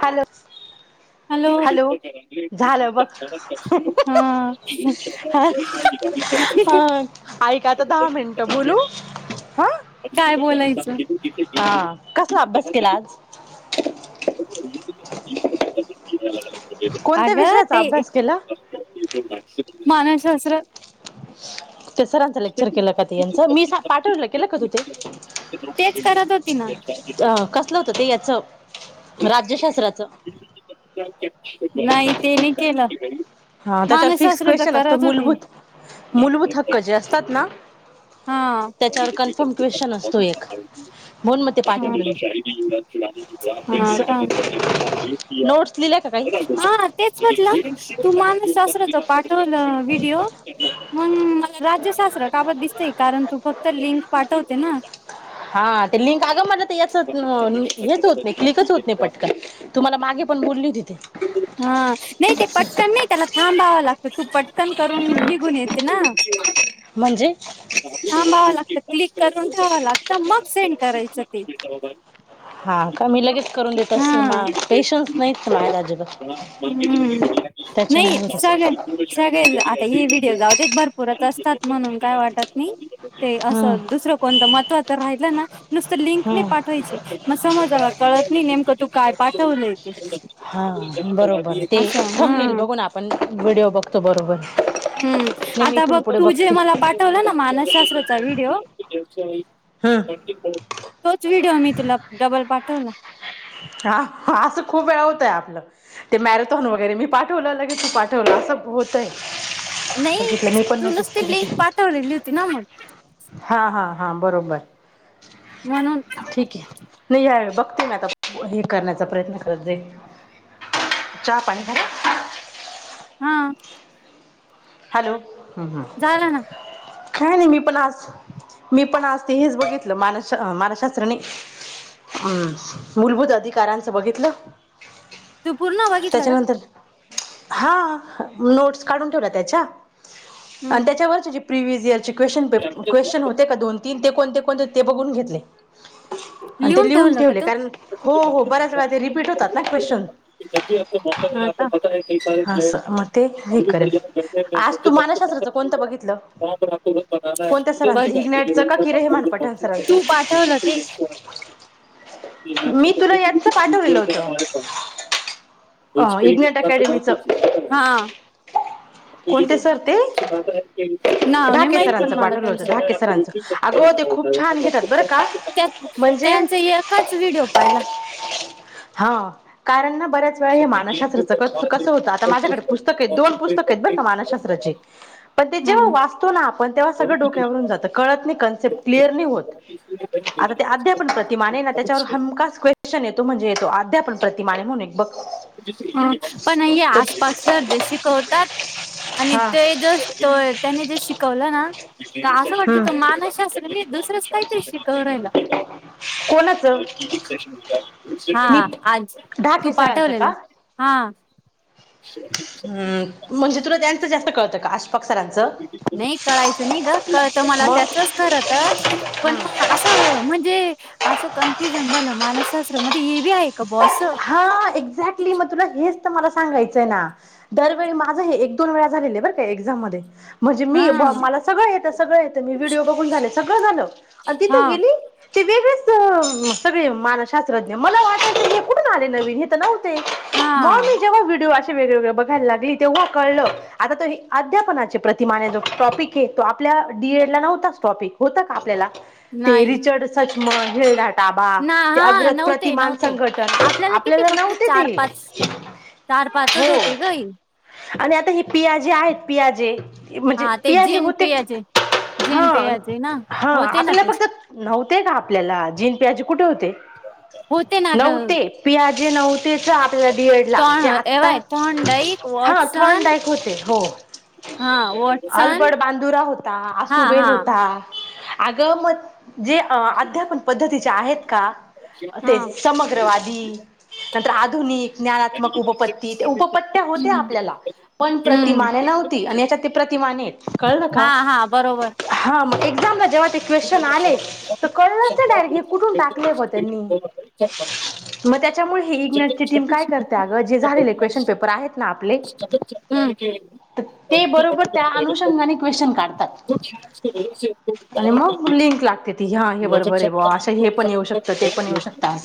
Hello hello झालं बघ हा हा ऐका आता दहा मिनटं बोलू हा काय बोलायचं हा कसला अभ्यास केला आज [inaudible] कोणत्या अगं विषयाचा ते अभ्यास केला मानवशास्त्र ते सरांचं लेक्चर केलं का ते यांचं मी पाठविलं केलं का तु ते तेच करत होती ना अ कसलं होतं ते याचं राज्यशास्त्राचं नाही तेनी केलं हा त्याच्यावर फिक्स मानसशास्त्रच क्वेश्चन असतो करत होती मूलभूत मूलभूत हक्क जे असतात ना हा त्याच्यावर कन्फर्म क्वेश्चन असतो एक म्हणून मग ते हि पाठवलं मी च नोट्स लिहिल्या का काही ह तेच म्हटलं तू मान सासरच पाठवलं व्हिडिओ मग राज्यशास्त्र काबत दिसतंय कारण तू फक्त लिंक पाठवते ना हा ते लिंक आगं मला तर याच हेच होत नाही क्लिकच होत नाही पटकन तुम्हाला मागे पण बोलली तिथे हा नाही ते पटकन नाही त्याला हां भावा लागतं खूप पटकन करून निघून येते ना म्हणजे थांबावं लागत क्लिक करून ठेवाव लागत मग सेंड करायचं ते हा का मी लगेच करून देत असते मा पेशन्स हा नाहीत माझ्याकड हम्म अजिबात त्याच्यामुळे कस चालेल आता हे व्हिडिओ जाऊतेच भरपूरच असतात म्हणून काय वाटत नाही. ते हम्म असं दुसरं कोणतं महत्त्व तर राहिलं ना नुसतं लिंक नाही हम्म पाठवायची. मग समजाला कळत नाही नेमकं तू काय पाठवलय. हा बरोबर ते अच्छा हा थमनेल बघून आपण व्हिडिओ बघतो बरोबर हम्म नाही मी आता इथून बघ पुढे तु जे बघते मला पाठ मानसशास्त्राचा व्हिडिओ हम्म तो ते व्हिडिओ मी तुला डबल पाठवल हा असं खूप वेळा होतय आपलं ते मॅरेथॉन वगैरे मी पाठवलं लगेच तू पाठवलं असं होतय. नाही तूूनच त लिंक पाठवलेली होती ना मग हा हा हा बरोबर म्हणून ठीक आहे नाही यावेळ बघते मी आता हे करण्याचा प्रयत्न करत जाई चहा पाणी घ ना हा हॅलो हम्म हम्म झाल ना काय नाही मी पण आज मी पण आज ते हेच बघितलं मान मानसशास्त्रनी हम्म मूलभूत अधिकाऱ्यांचं बघितलं. तू पूर्ण बघितलं का त्याच्यानंतर हा नोट्स काढून ठेवल्या त्याच्या हम्म आणि त्याच्यावरची जी प्रिव्हियस इयरची क्वेशन क्वेश्चन होते का दोन तीन ते कोणते कोणते ते बघून घेतले. आणि ते लिहून ठेवलं का ठेवले तू? कारण हो हो बऱ्याच वेळा ते रिपीट होतात ना क्वेश्चन हा का काही सारे केले असं मग ते हे करेल आज तू मानसशास्त्राचं कोणतं बघितलं कोणत्या सरांचं इग्नाटचं का किरे हे मानपठाण तू सरांचं पाठवलं ते मी तुला यांचं पाठवलेलं होतं [unintelligible] अ इग्नेट अकॅडमीचं हा [unintelligible] ते ना नाही ढाके माहित पण सरांचं मला पाठवलं होतं ढाके सरांचं त्यांच अगं ते खूप छान घेतात बरं का म्हणजे त्यांचा एकच व्हिडिओ पाहिला. हा कारण ना बऱ्याच वेळा हे मानसशास्त्राच कसं कसं होतं आता माझ्याकडे पुस्तक येत दोन पुस्तक येत बर का मानशशास्त्राचे पण ते जेव्हा हम्म. वाच तो ना आपण तेव्हा सगळं डोक्यावरून जातं कळत नाही कनसेप्ट क्लिअर नाही होत. आता ते अद्यापण प्रतिमाने आहे ना त्याच्यावर हमखास क्वेश्चन शन येतो म्हणजे येतो अद्यापण प्रतिमाने म्हणून एक बघ हा पण तर आसपास सर जे शिकवतात आणि हा ते जस त त्यानी जे शिकवलं ना तर असं वाटतं हम्म तो मानश शास्त्र नाहीये दुसरंच काहीतरी शिकवू राहिला कोणाचं हा मी आज तू ढाके पाठ सरांचं का वलेलं हा हम्म म्हणजे तुला त्यांचं जास्त कळतं का अश्फाक सरांचं नाही कळायचं नाही ग कळत मला मग त्याचच खरं तर पण हम्म म असं म्हणजे असं कन्फ्युजन झालं मानसशास्त्र मध्ये हे बी आहे का बॉ अस हा एक्झॅक्टली मग तुला हेच तर मला सांगायचंय ना दरवेळी माझं हे एक दोन वेळा झाले आहे बर का एक्झाम म म्हणजे मी हा. मला सगळं येतं सगळं येतं मी व्हिडओ बघून झाले सगळं झालं आणि तिथे हा गेली ते वेगळेच सगळे मानशास्त्रज्ञ मला वाटत कुठून आले नवीन हे नव्हते मग हा मी जेव्हा व्हिडिओ असे वेगळे वगळे बघायला लागली तेव्हा कळलं आता तो हे अध्यापनाचे प्रतिमाने जो टॉपिक आहे तो आपल्या डीएड ला नव्हताच टॉपिक होत का आपल्याला ते नाही रिचर्ड सच म हे बा ना ते हा अग्रत नव्हते प्रतिमान नव्हते. संघट किती आपल्याला फक्त नव्हती चार पाच ते चार पाचच हो होते ग हे. आणि आता हे पियाजे आहेत पियाजे म्हणजे हा ते पियाजे जीन होते पियाचे हा जीन पियाचे ना हा होते ना आपल्याला ते फक्त नव्हते का आपल्याला जीन प्याज कुठे होते होते ना ग नव्हते पि्याजे नव्हतेच बड ला तोण आता एवाय तोंडाईक हा वॉटसन थॉनडायक होते हो हा वॉटसन अलबट बांदुरा होता हा आसुबेल हा होता आग म जे अध्यापन पद्धतीच्या आहेत का हा तेच समग्रवादी नंतर आधुनिक ज्ञानात्मक उपपत्ती उपपत्या होत्या हम्म आपल्याला पण हम्म प्रतिमाने नव्हती आणि याच्यात ते प्रतिमाने कळलं का हा हा बरोबर हा मग एक्झाम ला जेव्हा ते क्वेशचन आले तर कळलच नाही डायरेक्ट की कुठून टाकले म त्यांनी मग त्याच्यामुळे हे इग्नेट ची टीम काय करते अगं जे झालेले क्वेशन पेपर आहेत ना आपले [inaudible] तर ते बरोबर त्या अनुषंगाने क्वेशन काढतात आणि मग लिंक लागते ती ह्या हे बरोबर आहे ब असा हे पण येऊ शकतं ते पण येऊ शकता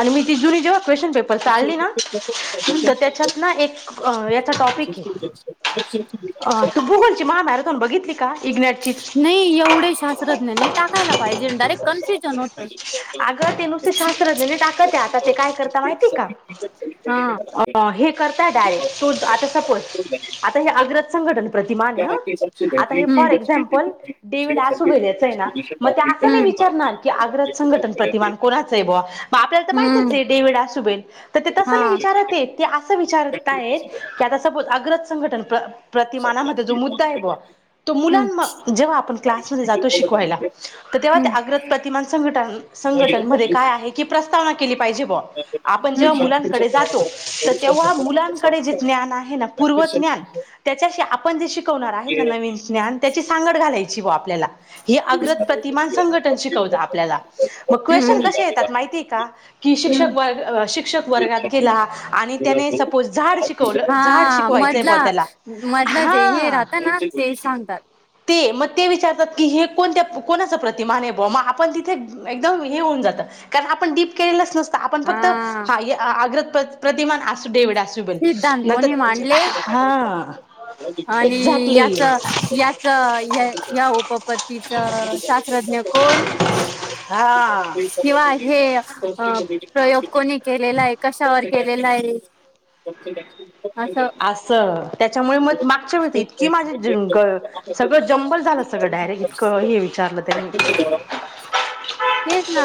आणि मी ती जुनी जेव्हा क्वेश्चन पेपर चालली ना तर त्याच्यात ना एक याचा टॉपिक आहे अ तू भुगोलची म मॅरेथॉन बघितली का इग्नॅट ची नाही एवढे शाासतज्ञ नाही टाकायला पाहिजे डायरेक्ट कन्सेशन होत अगं ते नुसती शास्त्रज्ञनी टाकत आता ते काय करता माहिती का अ हे करताय डायरेक्ट तो आता सपोज आता हे अग्रज संघटन प्रतिमान आता हे फॉर एक्झाम्पल डेविड असू गे याच आहे ना मग ते असं नाही विचारणार की आग्र संघटन प्रतिमान कोणाचं आहे बवा मग आपल्याला तर माहितच हम्म आहे डेवि्हड आसुबेन तर ते तसं नाही विचारत आहेतेत ते असं विचारताय की आता सपोज अग्रज संघटन प्रतिमानामध्ये जो मुद्दा आहे ब त हम्म, मुलां जेव्हा आपण क्लासमध्ये जातो शिकवायला तर तेव्हा त्या अग्र प्रतिमा संघट संघटनमध्ये काय आहे की प्रस्तावना केली पाहिजे ब आपण जेव्हा मुलांकडे जातो तर तेव्हा मुलांकडे जे ज्ञान आहे ना पूर्व ज्ञान त्याच्याशी आपण जे शिकवणार आहेत ना नवीन ज्ञान त्याची सांगड घालायची व आपल्याला हे अग्रत प्रतिमान संघटन शिकवत आप क् केत माहिती का की शिक्षक व शिक्षक वर्ात गेला आणि त्याने सपोज झाड शिकवलं झाड हा शिकवायचंय बुवा मधला त्याला मधलं ज हे हा राहता ना शेष सांतात ते मग ते विचारतात की हे कोणत्या कोणाचा प्रतिमा नाही भा मग आपण एकदम हे होऊन जात कारण आपण डीप केलेलंच नसतं आपण हा फक्त हाग्र प्रिमान असू डेवड असू सिद्धांत कोणी मांडले आणि एक्झॅक्टली याच या या उपपत्तीच शास्त्रज्ञ कोण हां किंवा हे प्रयोग कोणी केलेला आहे कशावर केलेला आहे कोण असं त्याच्यामुळे मग मागच्या व इतकी माझी सगळं जंबल झालं सगळं डायरेक्ट इतकं हे विचारलं त्यांनी तेच ना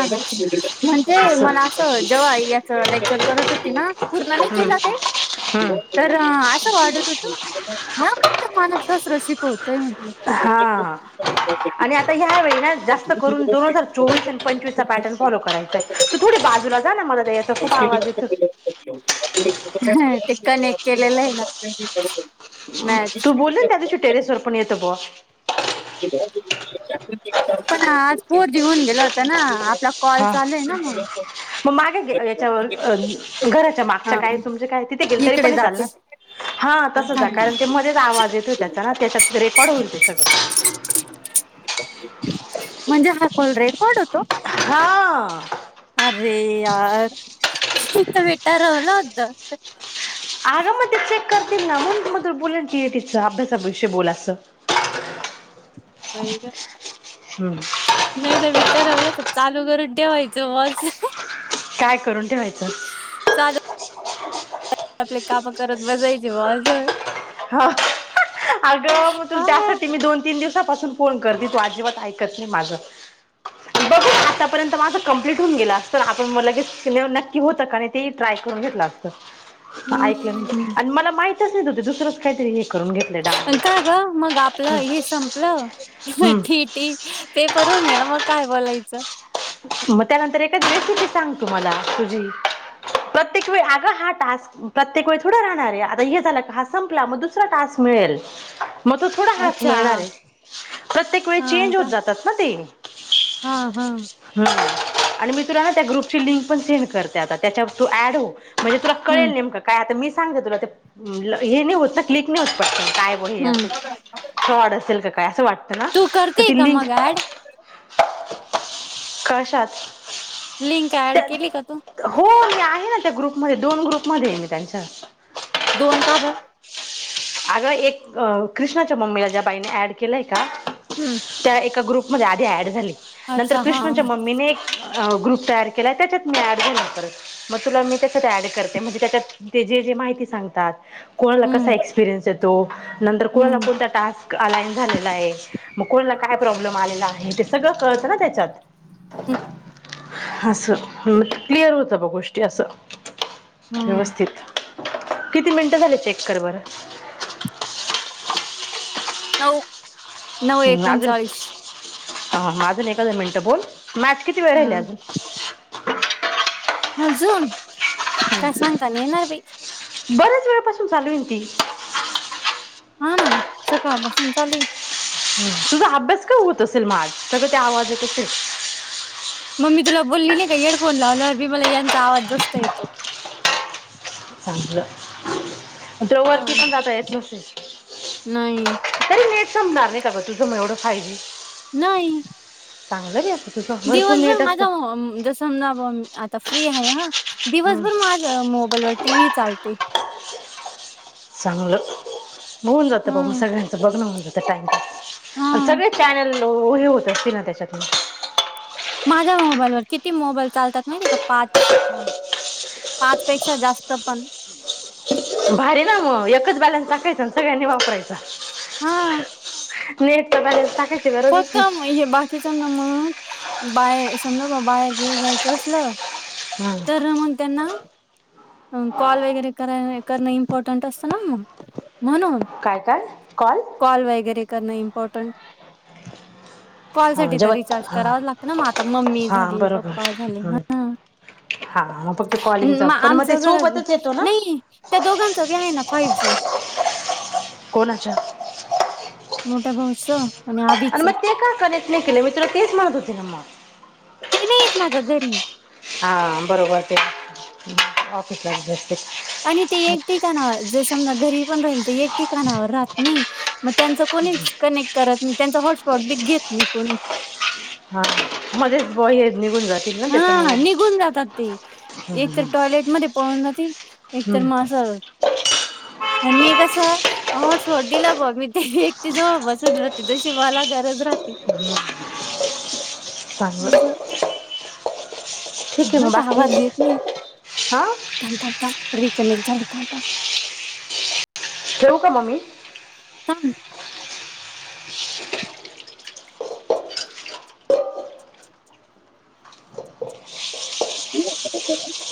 म्हणते असं मला जेव्हा याच लेक्चर करत होती ना पूर्ण नाही हम्म केलं ते हम्म तर असं वाटत होतू ह मला सस््र शिकवतय म्हण हा आणि आता ह्यावेेळी ना जास्त करून दोन हजार चोवीस आणि पंचवीसचा पॅटर्न फॉलो करायचा आहे तू थोडे बाजूला जा ना मला त्या याचा खूप आवाज येत टिककान एक केलेलं आहे ना तू मॅच. बोलली ना त्या दिशी टेरेस ववर पण येतं ब पण आज पोर जेऊन गेला होत ना ला कॉल हा. चालूय ना म मग मागे याच्यावर घराच्या मागच्या हा काय तुमच्या काय तिथे गेल तरी इकडे पण जाते चालणार हा तसच आहे कारण ते मध्येेच आवाज येतोय त्याचा ना त्याच्यात रेकॉर्ड होईल ते सगळं म्हणजे हा कोोल रे कोड होतो हां अरे यार शता भेट राहला अद्द आग मग ते चेक करतील ना मग मग बोलाची तीच अभ्यासाविषय बोलायचं [inaudible] वेग हम्म नाही तर भी तररवला तर चालू करून ठेवायचं वज काय करून ठेवायचं चाल आपले काप करत वजायचे बाज ह अगं मग तु हा त्यासाठी मी दोन तीन दिवसापासून फोन करते तू अजिबात ऐकत नाही माझं बघ आतापर्यंत माझं कंप्लीट होऊन गेला अस तर आपण लगेच नक्की होतं ते ट्राय करून घेतलं असतं ऐकलं हम्म आणि मला माहितच नाही त ते दुसरंच काहीतरी करून घेतले का ग मग आपलं हे संपलं डाउनलोड ठी ती ते परर होून घे ना मग काय बोलायचं मग त्यानंतर एकच रेसिपी सांग तुम्हाला तुझी प्रत्येक वेळ अगं हा टास्क प्रत्येक वेळी थोडं राहणार आहे आता हे झालं हा संपला मग दुसरा टास्क मिळेल मग तो थोडा हास अच्छा मिळणार आहे प्रत्येक वेळी हा चेंज होत का जातात ना ते हा हा ह आणि मी तुला ना त्या ग्रुपची लिंक पण सेंड करते आता त्याच्यावर तू ऍड हो म्हणजे तुला कळेल हम्म नेमकं काय आता मी सांगते तुला ते हे नाही होत ना क्लिक न्यूज पडते काय ब हम्म असं फ्रॉड असेल का काय असं वाटतं ना तू तर करते ती का लिंक मग ऍड कशात लिंक ऍड त्या केली का तू हो मी आहे ना त्या ग्रुपमध्ये दोन ग्रुपमध्ये आहे मी त्यांच दोन का बर अग एक कृष्णाच्या मम्मीला ज्या बाईने ॲड केलंय का हम्म त्या एका ग्रुपमध्ये आधी ऍड झाली नंतर अच्छा हा कृष्णच्या मम्मीने अ ग्रुप तयार केलाय त्याच्यात मी ऍड झाला परत मग तुला मी त्याच्यात ऍड करते म्हणजे त्याच्यात ते जे जे माहिती सांगतात कोणाला कसा हम्म एक्सपिरियन्स येतो नंतर कोणाला हम्म कोणता टास्क अ लाईन झालेला आहे मग कोणाला काय प्रॉब्लेम आलेला आहे ते सगळं कळतं ना त्याच्यात असं क्लिअर होतं ब गोष्टी असं. हम्म व्यवस्थित, किती मिनिटं झाले चेक कर बरं? नऊ नऊ हम् अजून एकोणचाळीस अजून एकादा मिनिटं बोल, मॅच किती वेळ हा राहिले अजून? अजून काय सांगता नाही येणार बाई. बऱ्याच वेळपासून चालूये ना ती. हा ना ग सकाळपासून चालीय ह तुझा अभ्यास काय होत असेल मग आज सगळं ते आवाज येत असेल? मग् मी तुला बोलली नाही का हेडफोन लावल्यावर बी मला यांचा आवाज जास्त येतो. चांगलं दड वरती हा. पण जाता येत नसेल नाही तरी नेट संपणार नाही का गं तुझं मग एवढं फाय जी? नाही चांगलं रे असं तुझं भरपूर दिवसभर नेट असतं माझा जस समजा ब आता फ्री आहे हं हम्म, दिवसभर माझा मोबाईलवर टी व्ही चालते. चांगलं होऊन जातं बघ मग हम्म सगळ्यांचं बघणं होऊन जातं टाइम आणि हा. सगळे चॅनल उ हे होत असतील ना त्याच्यातून माझ्या मोबाईलवर किती मोबाईल चालतात माहिती का पाच पाच पेक्षा जास्त पण भारी ना मग एकच बॅलन्स टाकायचा सगळ्यांनी वापरायच हा नेटचा बॅलन्स टाकायची गरजच फक्त म ए बाकी किच ना मग बाहेर समजा बा बाहेर बिर जायचं असलं नाही हम्म. तर मग त्यांना कॉल वगैरे कराय करणं इम्पॉर्टंट असतं ना मग म्हणून काय काय कॉल? कॉल वगैरे करणं इम्पॉर्टंट कॉल हां साठी तर जेवत रिचार्ज हां करावाच लागत ना म आता मम्मी हां झाली बरोबर पप्पा झाले हम्म. हं हा फक्त कॉलिंगचा, पण मग ते आमचं घरात सोबतच येतो ना? नाही त्या दोघांचं बी आहे ना फाईव्ह जी. कोणाच्या मोठ्या भाऊचं आणि मग ते काय करच नाही केलं मी तुला तेच म्हणत होती ना मग ते नाही येत ना गं घरी. हा बरोबर ते ऑफिसलाच आणि ते एक ठिकाणावर जर समजा घरी पण राहिल ते एक ठिकाणावर राहत नाही. मग त्यांच कोणीच कनेक्ट करत नाही, त्यांच हॉटस्पॉट बी घेत नाही कोणी. हा मध्येेच बॉय हे निघून जात हा निघून जातात ते. हम्म एक तर हम्म. टॉयलेट मध्ये पळून जातील एक तर हम्म, म असं आणि मी कसं हॉटस्पॉट दिलं बघ मी ते ती जवळ बसुन राहते जशी मला गरज राहते. चांगल आहे मग नीट बाकी आवाज येत नाही, हा थांब थांब थांब रिकनेक्ट झाले थांब थांब. ठेऊ का म मी? तम [inaudible] [unintelligible]